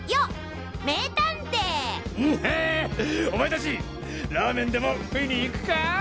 お前達ラーメンでも食いに行くか？